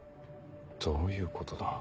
どういうことだ？